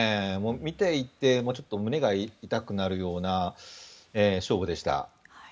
見ていて、ちょっと胸が痛くなるような勝負でした。